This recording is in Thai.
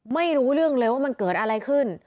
ไม่รู้เรื่องเลยว่ามันเกิดอะไรขึ้น